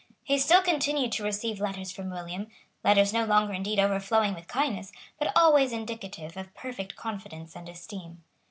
He still continued to receive letters from William; letters no longer indeed overflowing with kindness, but always indicative of perfect confidence and esteem.